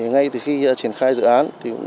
ngay từ khi triển khai dự án